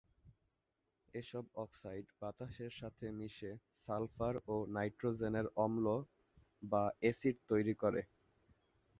এসব অক্সাইড বাতাসের সাথে মিশে সালফার ও নাইট্রোজেনের অম্ল বা এসিড তৈরি করে।